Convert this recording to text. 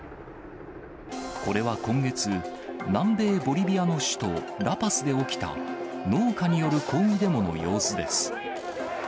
これは今月、南米ボリビアの首都ラパスで起きた農家による抗議デモの様子です。